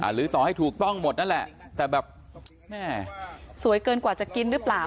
หรือต่อให้ถูกต้องหมดนั่นแหละแต่แบบแม่สวยเกินกว่าจะกินหรือเปล่า